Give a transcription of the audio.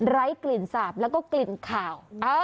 กลิ่นสาบแล้วก็กลิ่นขาว